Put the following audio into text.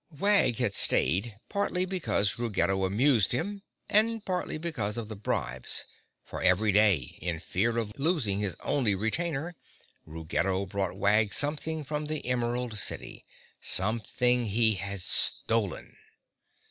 Wag had stayed partly because Ruggedo amused him and partly because of the bribes, for every day, in fear of losing his only retainer, Ruggedo brought Wag something from the Emerald City—something he had stolen!